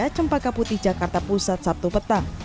di kota cempaka putih jakarta pusat sabtu petang